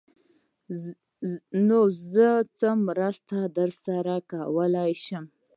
_نو زه څه مرسته درسره کولای شم؟